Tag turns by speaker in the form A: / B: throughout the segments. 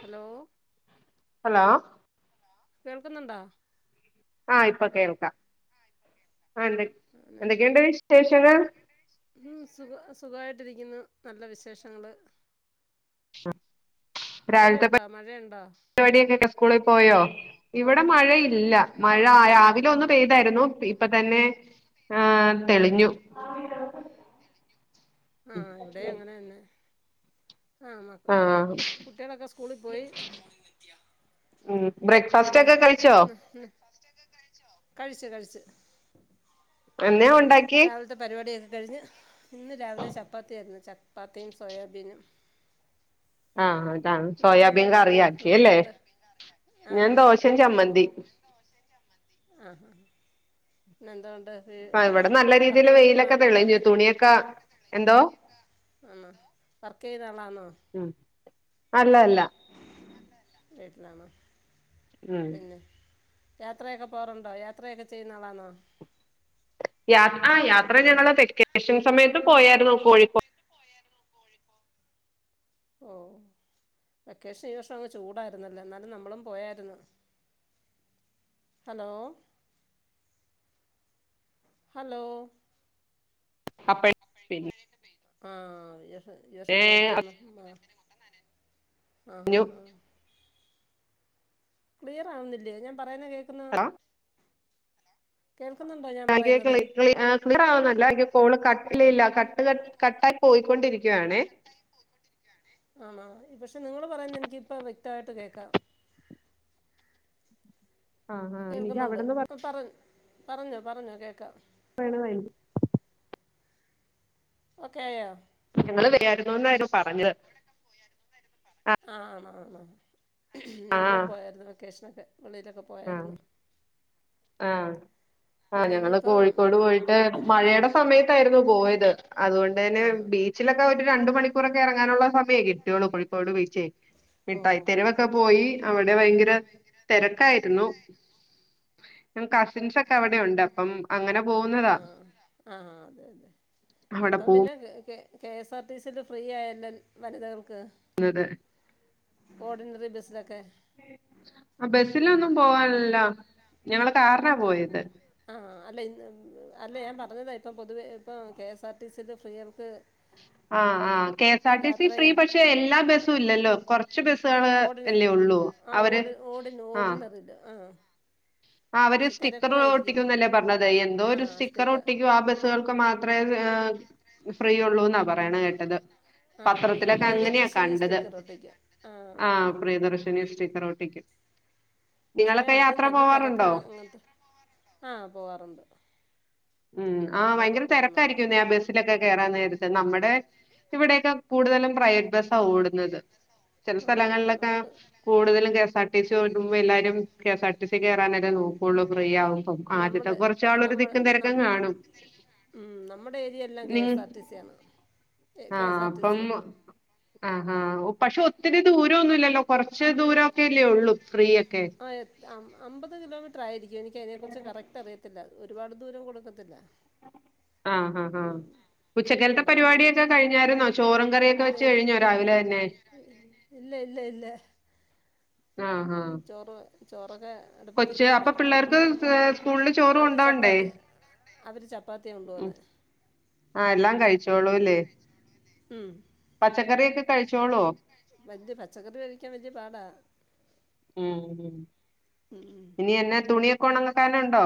A: Hello
B: [unintelligible]
A: കേൾക്കുന്നുണ്ടോ
B: ആ ഇപ്പൊ കേൾക്കാം ആ എന്ത എന്തൊക്കെയുണ്ട് വിശേഷങ്ങൾ
A: ഉം സുഖ സുഖമായിട്ടിരിക്കുന്നു നല്ല വിശേഷങ്ങള്
B: രാവിലത്തെപ്പ
A: മഴയുണ്ടോ മഴയുണ്ടോ
B: [inaudible] രിപാടിയൊക്ക സ്കൂളിൽ പോയോ
A: ഓ
B: ഇവിടെ മഴയില്ല മഴ
A: ആഹ് പോയി പോയി
B: രാവിലെ ഒന്ന് പെയ്തായിരുന്നു പി ഇപ്പൊ തന്നെ ആ തെളിഞ്ഞു
A: ആഹ് ഇവിടെ അങ്ങനെ തന്നെ. ആഹ
B: ആഹ്
A: കുട്ടികളൊക്കെ സ്കൂളിൽ പോയി
B: ഉം ബ്രേക്ക്ഫാസ്റ്റ്
A: പിന്നെ
B: ഒക്കെ കഴിച്ചോ
A: കഴിച്ചു കഴിച്ചു
B: എന്നെ ഉ
A: രാവിലത്തെ പരിപാടിയാരുന്നു കഴിഞ്ഞ് ഇന്ന് രാവിലെ ചപ്പാത്തിയായിരുന്നു. ചപ്പാത്തിയും സോയാബീനും.
B: ആഹ് ആ.
A: നിങ്ങെളെന്താ ഇണ്ടാക്കിയേ എന്താ
B: ഞാൻ
A: ആഹ് ആഹ്
B: ദോശയും
A: അറിയ
B: ചമ്മന്തി
A: ആഹ്. പിന്നെ എന്തോ ഉണ്ട്?
B: ആ ഇവിടെ നല്ല രീതിയിൽ
A: വർക്കിങ്ങ് വുമൺ
B: വെയിലൊക്കെ
A: ആന്നോ?
B: തെളിഞ്ഞു
A: വർക്ക്
B: തുണിയൊക്കെ എന്തോ
A: ആന്നോ? വർക്ക് ചെയ്ത ആളാന്നോ?
B: അല്ലല്ല.
A: വീട്ടിലാണോ?
B: ഉം
A: പിന്നെ യാത്രയൊക്കെ പോകാറുണ്ടോ? യാത്രയൊക്കെ ചെയ്യുന്ന ആളാന്നോ?
B: യാ ആ യാത്ര കോഴിക്കോ
A: ഓ വെക്കേഷൻ ഈ വർഷം അങ്ങ് ചൂടായിരുന്നല്ലോ? എന്നാലും നമ്മളും പോയാരുന്നു. ഹലോ ഹലോ
B: അപ്പഴ് പിന്നെ
A: ആ യെസ് ഈ വർഷം നേരത്തേ ആ ഹ
B: അറിഞ്ഞു
A: ഹഹ ക്ലിയറാവുന്നില്ലേ? ഞാൻ പറയുന്നകേക്കുന്നോ?
B: ആ കേൾക്കണു ആ ക്ലിയറാവണില്ല. ഈ കോള് കട്ട് ഇല്ല ഇല്ല കട്ട് ക കട്ടായി പോയിക്കൊണ്ടിരിക്കുവാണേ.
A: ആണോ പക്ഷെ നിങ്ങള് പറയുന്ന എനിക്ക് ഇപ്പ വ്യക്തായിട്ട് കേക്കാം.
B: ആ ആ എനിക്ക്
A: കേൾക്കുന്നുണ്ട്.
B: അവിടെന്ന്
A: ഇപ്പംപറ പറഞ്ഞോ പറഞ്ഞോ കേക്കാം.
B: [unintelligible]
A: ഓക്കെയായോ?
B: ഞങ്ങള് വരായിരുന്നു എന്നായിരുന്നു പറഞ്ഞത്
A: ആ ആണോ?
B: ആ
A: ഞങ്ങളും പോയാരുന്നു വെക്കേഷന്. പള്ളിയിലൊക്കെ
B: ആ
A: പോയായിരുന്നു.
B: ആ ആ
A: പിന്നെ
B: ഞങ്ങള്
A: ഇനിയിപ്പം
B: കോഴിക്കോട് പോയിട്ട് മഴയുടെ സമയത്തായിരുന്നു പോയത് അതുകൊണ്ട് തന്നെ
A: ആ ഹാ
B: ബീച്ചിലൊക്കെ ഒരു രണ്ട മണി പുറക്കെ ഇറങ്ങാനുള്ള സമയേ കിട്ടിയുള്ളൂ കോഴിക്കോട് ബിച്ചേ.
A: ഓ ഹോ ഹോ
B: മിട്ടായിത്തെരുവൊക്കെ പോയി അവിടെ ഭയങ്കര തിരക്കായി എന്നോ ഞങ്ങ കാസിൻസൊക്കെ അവി ഉണ്ട് അപ്പം അങ്ങനെ
A: ആ
B: പോകുന്നതാ
A: ആ അതു
B: അവിടെ
A: തന്നെഇപ്പൊ പിന്നെ K. S. R. T. C. യിൽ ഫ്രീ ആയല്ലോ വനിതകൾ ഓർഡിനറി ബസ്സിലൊക്കെ
B: ബസിലൊന്നും പോവാനില്ല. ഞങ്ങള് കാറ്നാ പോയത്
A: ആഹ അല്ലെ അല്ല ഞാൻ പറഞ്ഞതിപ്പം പൊതുവെ ഇപ്പം കെ എസ് ആർ ടി സിയിൽ ഫ്രീ അവര്ക്ക്
B: ആ ആ K S R T C free
A: ചെയ്യാൻ
B: പക്ഷെ എല്ലാ ബസും ഇല്ലല്ലോ കൊറച്ച് ബ ആ
A: [unintelligible]
B: അവര്
A: പക്ഷെ
B: സ്റ്റിക്കർ ഒ
A: തിരക്കുമായിരിക്കും
B: ഒട്ടിക്കുംന്നല്ലേ പറഞ്ഞത് എന്തോ ഒരു സ്റ്റിക്കർ ഒട്ടിക്കൂ ആ ബസ്സുകൾക്ക് മാത്രെ ഫ്രി ഉള്ളു പറയണ കേട്ടത്
A: ആ പ്രിയ
B: പത്രത്തിലൊക്കെ അങ്ങനെയാ
A: പ്രിയദർശിനി
B: കണ്ടത്
A: സ്റ്റിക്കർ ഒട്ടിക്കുക
B: ആ പ്രിയദർശിനി സ്റ്റിക്കറോട്ടക്കൂം
A: പക്ഷേ
B: നിങ്ങളൊക്കെ
A: അത്
B: യാത്ര പോവാറുണ്ടൊ
A: [inaudible]
B: ഉം ആ
A: യാത്രയൊക്കെ
B: ഭയങ്കര
A: പോകുന്ന ആളാണ്
B: തിരക്കായിരിക്കുന്നെ ആ ബസ്സിലൊക്കെ കേറാൻ നേരത്ത് നമ്മുടെ ഇവിടെയൊക്കെ കൂടുതലും പ്രൈവറ്റ് ബസ്സാ ഓടുന്നത് ചെല
A: ആ
B: സ്ഥലങ്ങളിലൊക്കെ
A: നമുക്ക്
B: കൂടുതലും കേസ ആ ടി സി ഓട്മ്പൊ എല്ലാരും കെസാർ ടി സി കയറാനല്ലേ നോക്കുള്ളൂ ഫ്രീ ആദ്യത്തെ
A: നമ്മുടെ
B: കൊറച്ചാൾ ഒരുതിക്കും തെര നിങ്
A: [inaudible]
B: ആ ആ പക്ഷേ ഒത്തി ഒത്തിരി ദൂരൊന്നുല്ലല്ലോ കൊറച്ച് ദൂരം ക്കെല്ലേ ഒള്ളൂ
A: ആ അമ്പത് കിലോമീറ്റർ ആയിരിക്കും എനിക്ക് അതിനെ കുറിച്ച് കറക്റ്റ് അറിയത്തില്ല ഒരുപാട് ദൂരം കൊടുക്കത്തില്ല
B: ആഹ ഹാ ആ
A: ഉം
B: ഉച്ചക്കലത്തെ
A: അമ്പത്
B: പരിപാടിയൊക്കെ
A: കിലോമീറ്റർ
B: കഴിഞ്ഞാരുന്നോ ചോറും കറിയൊക്കെ
A: ഇല്ല
B: വെച്ച്
A: ഇല്ല
B: കഴിഞ്ഞോ രാവിലെ തന്നെ
A: ഇല്ല ഇല്ല ഇല്ല
B: ആ ആ
A: ചോറ് അടുപ്പത്തിരിക്കുന്നു
B: സ്കൂളില് ചോറ്
A: അവര്
B: കൊണ്ടോണ്ടേ
A: ചപ്പാത്തി യാ കൊണ്ടുപോകുന്ന
B: ചോളൂല്ലേ പച്ചക്കറിയക്ക കഴിച്ചോളോ
A: വല്യ പച്ചക്കറി കഴിക്കാൻ വലിയ പാടാ
B: ഉം ഉം
A: ഉം ഉം
B: ഇനി എന്നാ തുണിയൊ കൊണങ്ങക്കാനണ്ടോ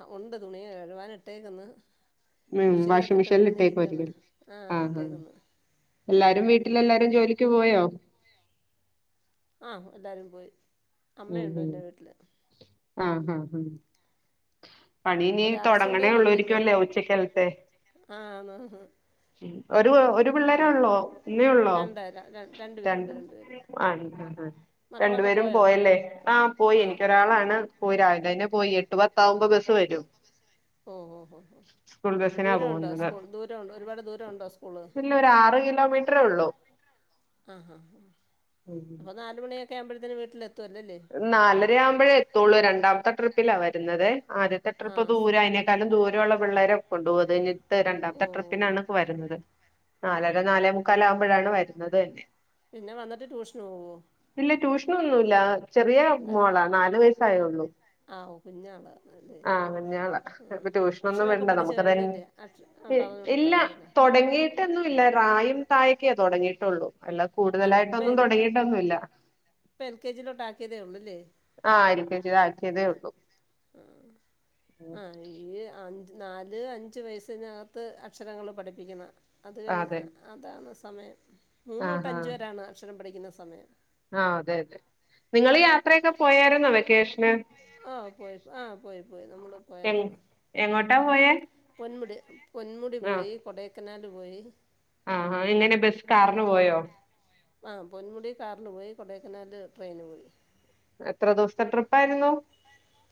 A: ആ ഉണ്ട് തുണികയുക്കുവാൻ ഇട്ടേക്കന്ന്
B: ഉം വാഷിംഗ് മെഷീനിൽ ഇട്ടേക്കു വാരിക്കും ആ എല്ലാരും വീട്ടിലല്ലാരും ജോലിക്ക് പോയോ
A: ആ എല്ലാരും പോയി അമ്മയുണ്ടോന്റെ വീട്ടില്
B: ആ ആ ആ പണിനീ
A: ഒരാഴ്ച കൊണ്ടേ
B: തോടങ്ങണേ
A: മഴയല്ലേ
B: ഉള്ളുവായിരിക്കും ല്ലേ ഉച്ചക്കകത്തെ
A: ആന്ന്
B: ഒര് പിള്ളേരെ ഉള്ളോ ഒന്നേഒള്ളോ
A: രണ്ട് രണ്ടു പേരുണ്ട്
B: രണ്ട്
A: രണ്ടു പേര്
B: ആ
A: മക്കളൊക്കെ
B: രണ്ടുപേരും
A: പോയോ
B: പോയല്ലേ ആ പോയി
A: ആഹ്
B: എനിക്ക് ഒരാളാണ് പോയി രാവിലെന്നെ പോയി എട്ട് പത്താവുമ്പോ ബസ് വരും
A: ഓ ഓ
B: സ്കൂൾ ബസിനാ
A: ദൂരംണ്ടോ
B: പോകുന്നത്
A: സ്കൂൾ ദൂരം ഉണ്ടോ ഒരുപാട് ദൂരംണ്ടോ സ്കൂള്
B: ത്രേ ഉള്ളൂ
A: ആ ആ അപ്പൊ നാലുമണിയക് ക്കെ ആവുമ്പത്തിനും വീട്ടിലെ
B: നാലര ആവുമ്പോഴേ എത്തുള്ളൂ രണ്ടാമത്തെ ട്രിപ്പിലാ വരുന്നത് ആദ്യത്തെ ട്രിപ്പ്
A: ആഹ്
B: ദൂര അതിനേക്കാലും ദൂര ള്ള പിള്ളരെ കൊണ്ട് [unintelligible]
A: ഓ
B: രണ്ടാമത്തെ ട്രിപ്പിനാണ് വരുന്നത് നാലര നാലെ മുക്കാലാകും ഴാണ് വരുന്നത് തന്നെ
A: പിന്നെ വന്നിട്ട് ട്യൂഷന് പോവോ
B: നൊന്നുല്ല ചെറിയ മോളാ നാലു വയസ്സായള്ളൂ
A: ആഹ് ഓ കുഞ്ഞാളാ അല്ലേ
B: ആ [unintelligible] ഇപ്പ
A: ആഹ്
B: ട്യൂഷനൊന്നും
A: അക്ഷരമൊക്കെ
B: വേണ്ട
A: പഠിച്ച്
B: നമുക്ക്തന്നെ
A: കഴിഞ്ഞില്ലേ അക്ഷ ആ പറഞ്ഞ്
B: ഇല്ല
A: കൊടുത്താൽ മതിയല്ലേ
B: തുടങ്ങിയിട്ടൊന്നുംല്ല റായും തായും ഒക്കെ തുടങ്ങിട്ടുള്ളൂ എല്ലാ
A: ആ ഇപ്പം
B: കൂടുതലായിട്ടൊന്നും
A: എൽ
B: തുടങ്ങിട്ടൊന്നുല്ല
A: ഇപ്പം എൽ കെ ജിയിലോട്ട് ആക്കിയതേ ഉള്ളൂല്ലേ
B: ആ എൽ കെ ജിലാക്കിയതേ ഉള്ളൂ ഉം
A: ആ ആ അഞ്ച് നാല് അഞ്ച് വയസ്സിനകത്ത് അക്ഷരങ്ങൾ പഠിപ്പിക്കണം അത്
B: അതെ
A: അതാണ് സമയം മൂന്ന് തൊട്ട് അഞ്ചുവരെയാണ് അക്ഷരം പഠി ന്ന സമയം
B: ആ അതെ അതെ നിങ്ങള് യാത്രയൊക്കെ പോയരുന്നോ വെക്കേഷന്
A: ആ പോയി ആ പോയി പോയി നമ്മള്
B: എ
A: പോയരുന്നു
B: എങ്ങോട്ടാ പോയേ
A: ഒൻപുട് ഒന്മുടി പോയി കൊടേക്കനാൽ പോയി
B: ആഹാ എങ്ങനെ ബസ് കാറിന് പോയോ
A: ആ പൊന്മുടി കാറിൽ പോയി കൊടേക്കനാല് ട്രെയിന് പോയി
B: എത്ര ദിവസത്തെ ട്രിപ്പ് ആയിരുന്നു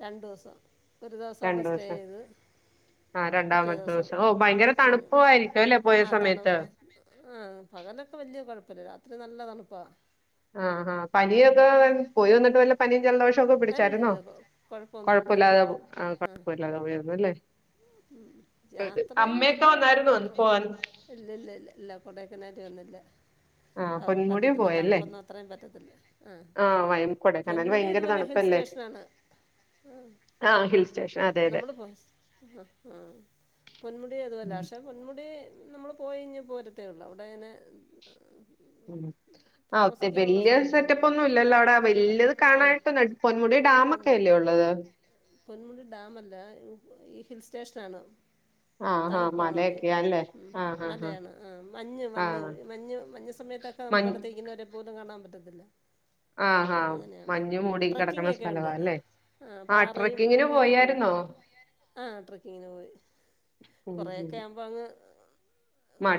A: രണ്ടു ദിവസം ഒരു ദിവസ അവിടെ സ്റ്റേ
B: ദിവസം
A: ചെയ്ത്
B: ആഹ്
A: പിറ്റേ
B: രണ്ടാമത്തെ
A: ദിവസം
B: ഓ ഭയങ്കര തണുപ്പുമായിരിക്കും അല്ലേ പോയ
A: ആ തണു
B: സമയത്ത്
A: ആഹ പകലൊക്കെ വലിയ കുഴപ്പില്ല അത്ര നല്ലതണുപ്പാ
B: ആഹ് ആഹ് പനിയൊക്കെ പോയി വന്നിട്ട് വല്ല പനിയും ജലദോഷമൊക്കെ പിടിച്ചാരുന്നോ
A: അല്ലല്ല കൊ- കുഴപ്പമൊന്നുമില്ലായിരുന്നു
B: കൊഴപ്പമില്ലാതെ ആ കുഴപ്പമില്ലാതെ പോയിരുന്നു അല്ലേ
A: ഉ യാത്രയും
B: അമ്മയൊക്കെ
A: വല്യ
B: വന്നായിരുന്നോ പോവാൻ
A: ഇല്ലല്ല ഇല്ല ഇല്ല കൊടക്കനാ [inaudible]
B: ആഹ്
A: അ
B: പൊന്മുടി
A: പറ്റത്തില്ല
B: പോയല്ലേ
A: തണുപ്പൊന്നും അത്രയും പറ്റത്തില്ല ആ
B: ആഹ് വയ കൊടൈക്കനാൽ
A: പൊന്മുടി
B: ഭയങ്കര
A: ഇതുപോലെ ഹിൽ
B: തണുപ്പല്ലേ
A: സ്റ്റേഷന ആാണ് ആ
B: ആഹ് ഹിൽ സ്റ്റേഷൻ അതെ അതെ
A: നമ്മള് പോ ആ ആ പൊന്മുടി തുുമല്ല
B: ഉം
A: പക്ഷെ പൊന്മുടി നമ്മള് പോയി കഴഞ്ഞ പോരത്തേ ഉള്ളു അവിടെ ഇങ്ങനെ
B: ആ ഒേ
A: താമസിക്കാനുള്ള
B: വല്യ
A: സൗകര്യമൊന്നും
B: സെറ്റപ്പ് ഒന്നും ഇല്ലല്ലോ അവിടെ വല്ല്യത്
A: ആ
B: കാണായിട്ടൊന്ന പൊന്മുടി ഡാമ ഒക്കെല്ലേ ഉള്ളത്
A: പൊന്മുടി ഡാമ അല്ലഈ ഹിൽ സ്റ്റേഷൻാണ്
B: ആഹ് ആഹ്
A: തണുപ്പാണ് അവിടെ
B: മലയൊക്കെയാ അല്ലേ ആഹ് ആഹ്
A: മലയാണ് ആ മഞ്ഞ് വന്ന്
B: ആഹ്
A: മഞ്ഞ് മഞ്ഞ് സമയത്തൊക്കെ നമുക്കടിത്തിരിക്കുന്നവരെ പോലും കാണാൻ പറ്റ [inaudible]
B: ആഹാ ആഹ് മഞ്ഞ് മൂടി കിടക്കണ
A: ട്രക്കിങ്ങൊക്കെ
B: സ്ഥലവാ
A: ഉണ്ട്
B: അല്ലേ ആ
A: പാറയും
B: ട്രക്കിങ്ങിന്
A: അങ്ങനെയൊക്കെ ഉണ്ട്
B: പോയായിരുന്നോ
A: ആ ട്രക്കിങ്ങിന് പോയി
B: ഉം ഉം
A: കുറെേയക്കെ ആവുമ്പോ അങ്ങ്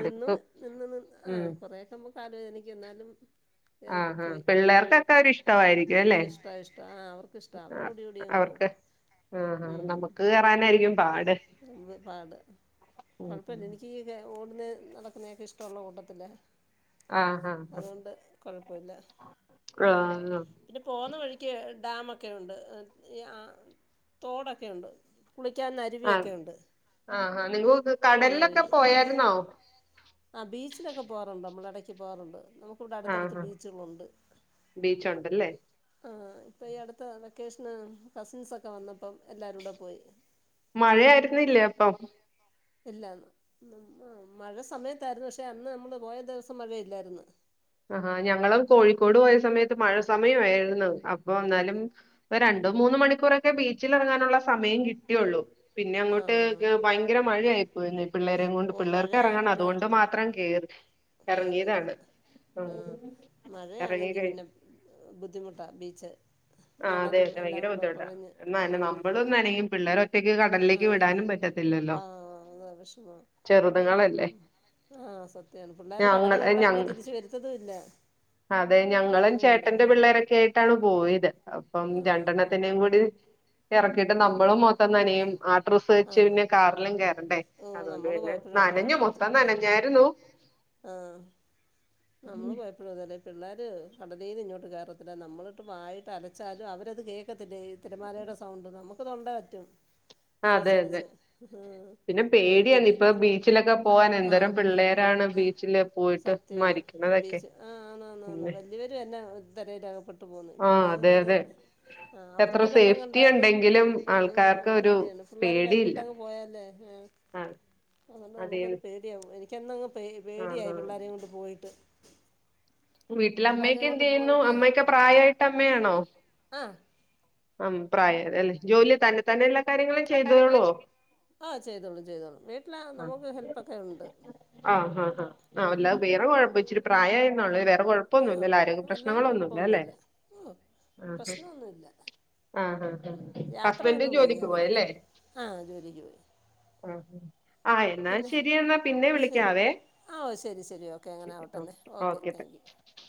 A: നിന്ന് നിന്ന് നി ആഹ
B: ഉം
A: കുറെയൊക്കെ കാലുവേദനിക്കും എന്നാലും കയറി
B: ആഹ് ആഹ്
A: പോയി
B: പിള്ളേർക്കൊക്കെ ഒരിഷ്ടമായിരിക്കും
A: ആ
B: അല്ലേ
A: ഇഷ്ടമാണ് ഇഷ്ടമാണ് ആ അവർക്ക് ഇഷ്ടമാണ് അവർ ഓടി ഓടി അങ്ങ് പോകും
B: അവർക്ക് ആഹ് നമ്മുക്ക് കേറാ
A: എന്ത് പാട് കൊഴപ്പില്ല എനിക്ക് ഓടുന്നെ നടക്കുന്നെ ഒക്കെ ഇഷ്ടമുള്ള കൂട്ടത്തില
B: ആഹ്
A: അതുകൊണ്ട് കൊഴപ്പ ല്ല
B: ആഹ്
A: പിന്നെ പോുന്ന വഴിക്ക് [inaudible] ക്ക് ഡാമൊക്കെ ഉണ്ട് തോടൊക്കെയുണ്ട്
B: ആ ആഹാ നിങ്ങ
A: പോകുന്ന
B: കടലിലൊക്കെ
A: വഴിക്ക്
B: പോയരുന്നാവോ
A: പറ്റി പോകാറുണ്ട് നമുക്കിവിടെ അടുത്തടുത്ത്
B: ആഹാ
A: ബീച്ചുകളുണ്ട്
B: ബീച്ചുണ്ടല്ലേ
A: ആ ഇപ്പൊ ഈ അടുത്ത വെക്കേഷന് കസിൻസ് ഒക്കെ വന്നപ്പോം എല്ലാവരും കൂടെ പോയി
B: മഴയായിരുന്നില്ലേ അപ്പം
A: ഇല്ലാന്ന് മഴ സമയത്തായിര്ന്നു പക്ഷെ അന്ന് അമ്മള് പോയ ദിവസം മഴയില്ലായിരുന്നു
B: അഹ് ആഹ് ഞങ്ങളും കോഴിക്കോട് പോയ സമയത്ത് മഴ സമയോയിരുന്നു അപ്പൊ എന്നാലും രണ്ടു മൂന്നു മണിക്കൂറൊക്കെ ബീച്ചിലിറങ്ങാനുള്ള സമയം കിട്ടിയൊള്ളൂ പിന്നെ
A: ആ
B: അങ്ങോട്ട് ഭയങ്കര മഴെയായി പോയിന്ന് പിള്ളേരെ കൊണ്ട്
A: ഓ
B: പിള്ളേർക്ക്
A: മഴയായാൽ
B: എറങ്ങണം
A: പിന്നെ
B: അതുകൊണ്ട് മാത്രം കേറി
A: കേറിയത്
B: എറങ്ങിയതാണ്
A: ആ മഴയാണെങ്കി പിന്നെ ബുദ്ധിമുട്ടാ ബീച്ച്
B: ആ
A: മണലും എല്ലാം
B: അതെഭയങ്കര
A: കൂടെ
B: ബുദ്ധിമുട്ടാണ്
A: കുഴഞ്ഞ്
B: എന്നാലു
A: ആ
B: നമ്മളു നന്നയു പിള്ളേരു ഒറ്റക്ക്
A: ആ
B: കടലിലേക്ക് വിടാനും പറ്റത്തില്ലല്ലോ
A: ആ അതാ വിഷമാ
B: ചെറുതങ്ങളല്ലേ
A: ആ സത്യാണ് പിള്ളേര് കടല്
B: ഞാങ്ങ
A: കണ്ടാ
B: ഞ
A: പിന്നെ തിരിച്ച് വരുത്തതും ഇല്ല
B: അതെ ഞങ്ങളെൻ
A: അങ്ങനെയുണ്ട്
B: ചേട്ടന്റെ പിള്ളേരൊക്കെ ആയിട്ടാണ് പോയത് അപ്പം
A: ആ ഹാ ഹാ
B: രണ്ടെണ്ണത്തിനെയും കൂടി ഇറക്കിയിട്ട് നമ്മളും മൊത്ത് മൊത്തം നനെയും ആട്രസ്
A: ആ
B: വച്ച് പിന്നെ കാറിലും കേറെണ്ടേ
A: ഓ
B: അതുകൊണ്ട്
A: നമ്മള്
B: പിന്നെ
A: പോയപ്പഴും അങ്ങനെ
B: നനഞ്ഞു മൊത്തം നനഞ്ഞായിരുന്നു
A: ആ പിള്ളേർ കടലയിൽന്ന് ഇങ്ങോട്ട് കയറത്തില്ല നമ്മളിട്ട് വായിട്ട് അലച്ചാലും അവരത് കേൾക്കത്തില്ല ഈ തിരമാലയുടെ സൗണ്ട് നമുക്ക് തൊണ്ടേ പറ്റും
B: അതെ അതെ
A: അലച്ചലച്ച്
B: പിന്നെ
A: ഉം ഒരു
B: പേടിയാണ് ഇപ്പൊ
A: വിധത്തെ
B: ബീച്ചിലൊക്കെ പോവാൻ എന്തോരം
A: ആഹ്
B: പിള്ളേരാണ് ബീച്ചില് പോയിട്ട്
A: സത്യാണ്
B: മരിക്കണതൊക്കെ
A: ബീച്ച് ആഹ് ആന്ന് ആന്ന് ആന്ന്
B: പിന്നെ
A: വല്യ വര്ന്നെ ഇത് തിരയിൽ അതപ്പെട്ട് പോ
B: ആഹ് അതെ
A: പിള്ളേർക്കത്
B: അതെ
A: ആ
B: എത്ര
A: അവർക്ക് വെള്ളം കണ്ട
B: സേഫ്റ്റി ഉണ്ടെങ്കിലും ആൾക്കാർക്ക്
A: ഒരു പേടിയാണ് പിള്ളേർ
B: പേടിയില്ല
A: കൈവിട്ടങ്ങ് പോയല്ലേ
B: ആഹ്
A: അതുകൊണ്ട്
B: അതെ
A: നമുക്കൊരു പേടിയവും എനിക്ക് [unintelligible] പേ
B: ആഹ്
A: പേടിയായി
B: ആഹ്
A: പിള്ളേരെയ കൊണ്ട് പോയിട്ട്
B: വീട്ടിലെ അമ്മേക്കെ
A: എല്ലാരെയും
B: എന്ത്
A: കൊണ്ട്
B: ചെയ്യുന്നു
A: പോയിട്ടേ
B: അമ്മാെക്കെ പ്രായായിട്ട് അമ്മേണോ
A: ആഹ്
B: ആ പ്രായ ആയത് അല്ലേ ജോലി തന്നെ തന്നെ എല്ലാ കാര്യങ്ങളും ചെയ്തോളുവോ
A: ആഹ് ചെയ്തോളും ചെയ്തോളും വീട്ടില നമുക്ക് ഹെൽപ്പൊക്കെ ഉണ്ട്
B: ആ
A: ഉം
B: ആല്ലാ വേറെ കുഴപ്പ ഇച്ചിരി പ്രായ [unintelligible]
A: ആഹ്
B: കോഴപ്പൊന്നുല്ല ആരോഗ്യ
A: അല്ലാതെ
B: പ്രശ്നങ്ങളൊന്നു. ഇല്ല ലെ
A: കുഴപ്പമൊന്നുമില്ല ഉം
B: അഹ്
A: പ്രശ്നമൊന്നുമില്ല
B: അഹ്
A: ഉം
B: ഹബന്റ്
A: യാത്രയൊന്നും വയ്യ
B: ജോലിക്ക്
A: അങ്ങനെ
B: പോയല്ലേ
A: ആഹ് ജോലിക്ക് പോയി
B: ആഹ് എന്നാ
A: പിന്നെ
B: ശരി എന്നാ പിന്നെ
A: ശരി
B: വിളിക്കാവേ
A: ആഹ് ശരി ശരി ഓക്കെ അങ്ങനെ
B: ശരി
A: ആവട്ടെന്നേ
B: ഓക്കെ ഓക്കെ
A: യു
B: താങ്ക്